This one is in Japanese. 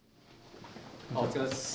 お疲れっす。